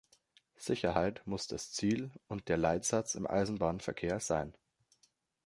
Sicherheit muss das Ziel und der Leitsatz im Eisenbahnverkehr sein.